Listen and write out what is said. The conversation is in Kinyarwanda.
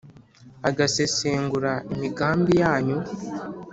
agasesengura imigambi yanyu.